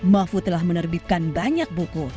mahfud telah menerbitkan banyak buku